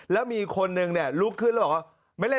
แล้วมีคนหนึ่งลุกขึ้นแล้วเหรอ